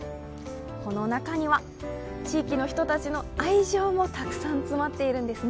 この中には、地域の人たちの愛情もたくさん詰まっているんですね。